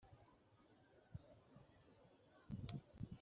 Bukeye bene Rimoni w’i Bēroti, Rekabu na Bāna